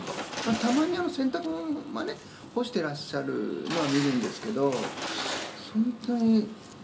たまに洗濯物がね、干してらっしゃるのは見るんですけど。